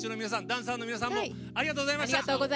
ダンサーの皆さんもありがとうございました。